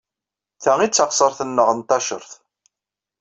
Ta i d taɣsert-nneɣ n taceṛt.